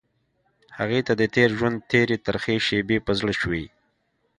هغې ته د تېر ژوند تېرې ترخې شېبې په زړه شوې.